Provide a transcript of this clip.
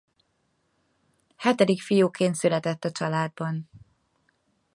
Hetedik fiúként született a családban.